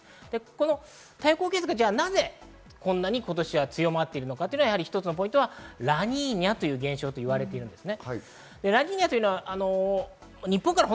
太平洋高気圧がなぜこんなに今年は強まっているのか、１つのポイントはラニーニャという現象と言われています。